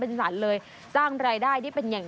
เป็นสรรเลยสร้างรายได้ได้เป็นอย่าง